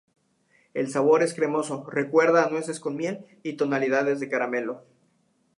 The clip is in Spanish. El sabor es cremoso, recuerda a nueces con miel y tonalidades de caramelo.